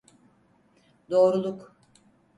Doğruluk.